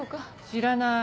知らない。